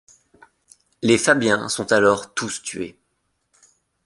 Les Fabiens sont alors tous tués.